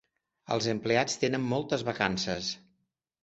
Els empleats tenen moltes vacances.